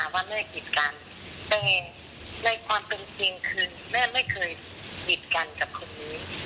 แม่ไม่เคยบิดกันกับคนนี้